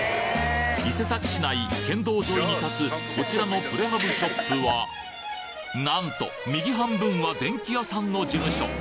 伊勢崎市内県道沿いに建つこちらのプレハブショップはなんと右半分は電気屋さんの事務所